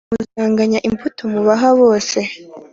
muzanganya imbuto mubaha bose